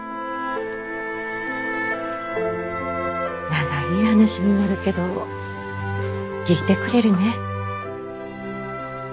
長い話になるけど聞いてくれるねぇ？